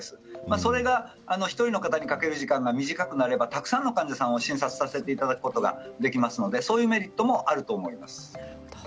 それが１人の方にかける時間が短くなればたくさんの患者さんを診察することができますのでそういうメリットもあります。